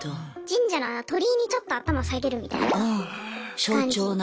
神社の鳥居にちょっと頭下げるみたいな感じ。